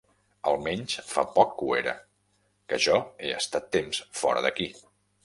Almenys fa poc que ho era, que jo he estat temps fora d’aquí.